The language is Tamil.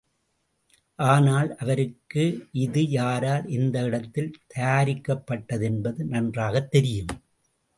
ஆனால், அவருக்கு இது யாரால், எந்த இடத்தில் தயாரிக்கப்பட்டதென்பது நன்றாகத் தெரியும்.